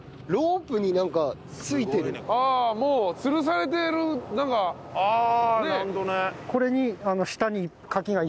ああもう吊されてるなんかねっ。